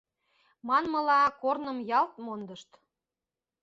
Манмыла, корным ялт мондышт.